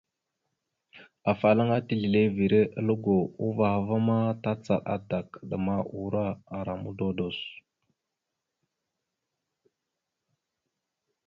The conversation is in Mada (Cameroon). Afalaŋana tislevere aləgo, uvah a ma tacaɗ adak, adəma, ura, ara mododos.